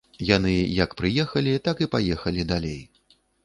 Яны як прыехалі, так і паехалі далей.